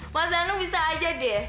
mas zanung bisa aja deh